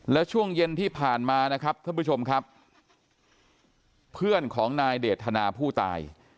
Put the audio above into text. แล้วช่วงเย็นที่ผ่านมานะครับท่านผู้ชมครับเพื่อนของนายเดทนาผู้ตาย